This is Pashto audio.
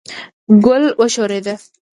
ګل وښورېد.